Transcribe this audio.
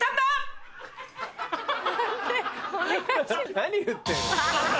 何言ってるの？